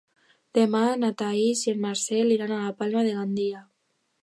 Demà na Thaís i en Marcel iran a Palma de Gandia.